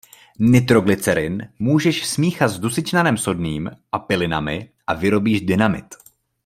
Nitroglycerin můžeš smíchat s dusičnanem sodným a pilinami a vyrobíš dynamit.